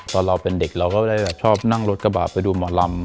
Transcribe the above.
เราเป็นเด็กเราก็ได้แบบชอบนั่งรถกระบะไปดูหมอลำ